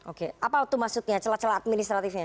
oke apa itu maksudnya celah celah administratifnya